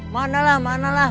mana lah mana lah